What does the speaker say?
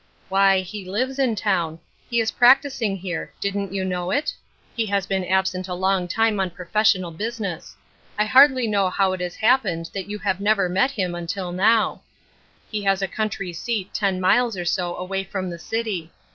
" Why, he lives in town. lie is practicing here. Didn't yo\i know it? He has been absent % long time on professional business. I liardlj A Cross of Lead. 49 know how it has happened that you have never met him until now. He has a country seat ten miles or so away from the city.